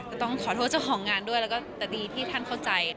ก็ต้องขอโทษเจ้าของงานด้วยแล้วก็แต่ดีที่ท่านเข้าใจ